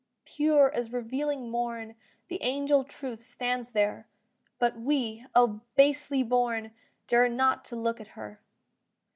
Pure as revealing morn The angel Truth stands there; But we, oh basely born! Dare not to look at her.